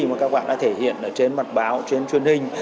mà các bạn đã thể hiện ở trên mặt báo trên truyền hình